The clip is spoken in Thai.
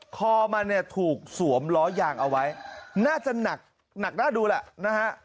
คอมันเนี่ยถูกสวมล้อยางเอาไว้น่าจะหนักหนักน่าดูแหละนะฮะ